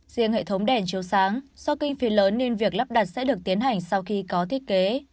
riêng hệ thống đèn chiếu sáng do kinh phí lớn nên việc lắp đặt sẽ được tiến hành sau khi có thiết kế